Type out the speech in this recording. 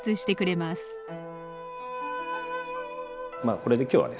まあこれで今日はね